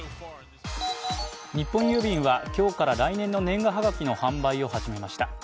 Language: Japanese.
日本郵便は今日から来年の年賀はがきの販売を始めました。